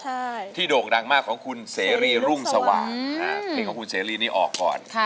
เพลงที่โด่งดังมากของคุณเสรีรุ่งสวาอืมฮะเพลงของคุณเสรีรี่นี้ออกก่อนค่ะ